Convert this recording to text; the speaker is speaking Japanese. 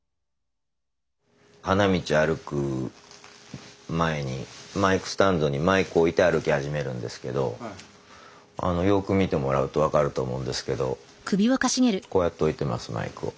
花道歩く前にマイクスタンドにマイクを置いて歩き始めるんですけどよく見てもらうと分かると思うんですけどこうやって置いてますマイクを。